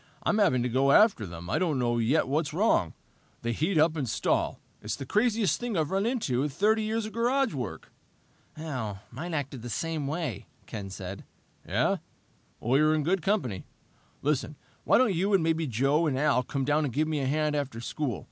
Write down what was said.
"I'm having to go out after them. I don't know yet what's wrong. They heat up and stall. It's the craziest thing I've run into in 30 years of garage work." "Mine acted the same way," Ken said. "Yeah? Well, you're in good company. Listen, why don't you and maybe Joe and Al come down and give me a hand after school?